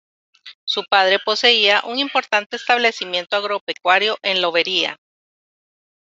Su padre poseía un importante establecimiento agropecuario en Lobería.